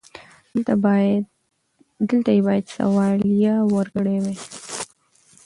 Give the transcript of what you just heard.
دلته يې بايد سواليه ورکړې و.